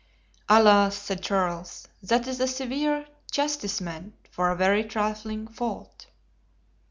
"Alas!" said Charles, "that is a severe chastisement for a very trifling fault."